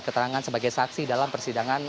keterangan sebagai saksi dalam persidangan